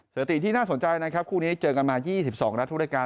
สถิติที่น่าสนใจนะครับคู่นี้เจอกันมา๒๒นัดทุกรายการ